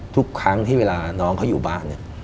ทุกครั้งที่เวลาน้องเขาอยู่บ้านเนี่ย